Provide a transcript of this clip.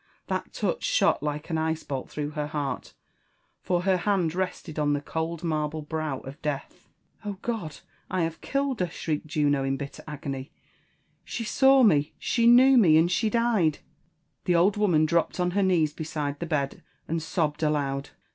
That touch shot like an ice* bolt through her heart, for her hand rested on the cold marble brow of death. '' Oh, God !—I have killed her T' r ^nekidd Juno in bitter agony ; ''she saw me, she knew me, and she died I" The old woman dropped en her knees beside the bed and sobbed aloud.